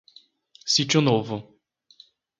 Sítio Novo